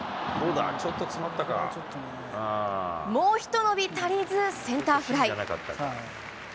もうひと伸び足りず、センターフライ。